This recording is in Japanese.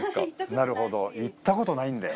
なるほど行ったことないんだよ。